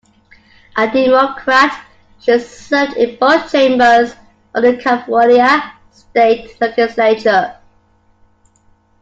A Democrat, she served in both chambers of the California State Legislature.